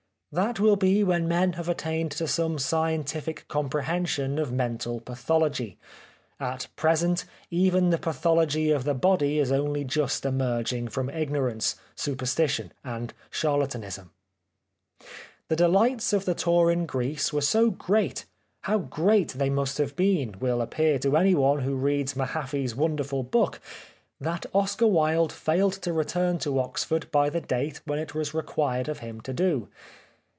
That will be when men have at tained to some scientific comprehension of mental pathology. At present even the pathology of the body is only just emerging from ignorance, superstition and charlatanism. The delights of the tour in Greece were so great — how great they must have been will appear to anyone who reads Mahaffy's wonderful 154 The Life of Oscar Wilde book — that Oscar Wilde failed to return to Oxford by the date when it was required of him to do.